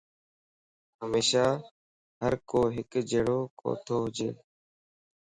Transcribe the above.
ھميشا ھر ڪو ھڪ جھڙوڪو توھونج